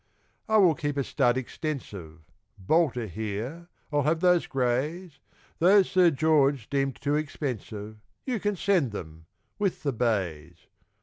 I will keep a stud extensive; Bolter, here! I'll have those greys, Those Sir George deemed too expensive, You can send them with the bays.